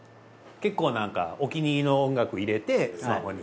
結構なんかお気に入りの音楽入れてスマホに。